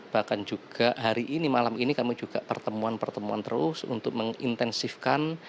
bahkan juga hari ini malam ini kami juga pertemuan pertemuan terus untuk mengintensifkan